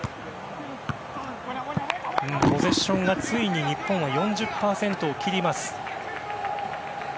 ポゼッションが、ついに日本は４０％を切りました。